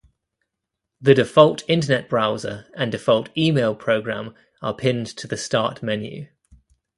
The default internet browser and default email program are pinned to the Start menu.